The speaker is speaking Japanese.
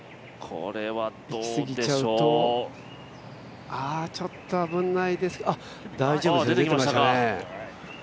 行きすぎちゃうと、ちょっと危ないです、大丈夫ですね、出てきましたね。